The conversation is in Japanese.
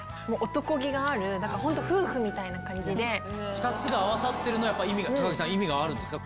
２つが合わさってるのは高木さん意味があるんですか？